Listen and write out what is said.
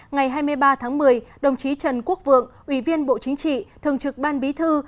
ngày hai mươi ba tháng một mươi đồng chí trần quốc vượng ủy viên bộ chính trị thường trực ban bí thư